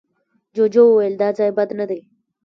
جوجو وويل، دا ځای بد نه دی.